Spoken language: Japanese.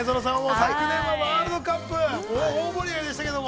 昨年はワールドカップもう大盛り上がりでしたけども。